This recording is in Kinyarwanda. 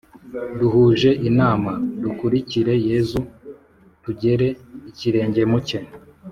duhuje inama, dukurikire yezu, tugera ikirenge mu cye.